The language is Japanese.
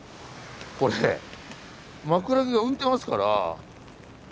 これ枕木が浮いてますから。